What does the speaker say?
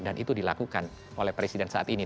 dan itu dilakukan oleh presiden saat ini